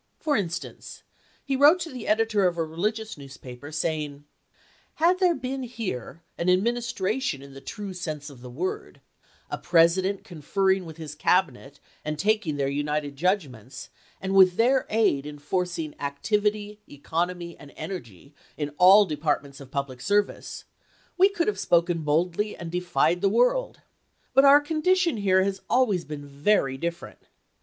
For instance, he wrote to the editor of a religious newspaper, saying :" Had there been here an Administration in the true sense of the word — a President conferring with his Cabinet and taking their united judgments, and with their aid enforcing activity, economy, and energy in all departments of public service — we could have spoken boldly and defied the world. But our condition here has always been very different.